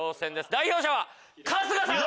代表者は春日さん！